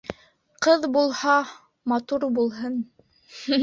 Ҡыҙ булһа, матур булһын.